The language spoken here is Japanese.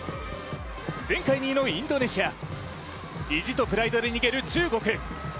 前回２位のインドネシア、意地とプライドで逃げる中国。